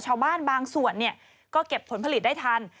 ชาวบ้านบางส่วนก็เก็บผลผลิตได้ทัน